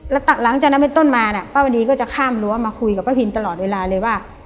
แล้วหลังจากนั้นเป็นต้นมาน่ะป้าวดีก็จะข้ามรั้วมาคุยกับป้าพินตลอดเวลาเลยว่า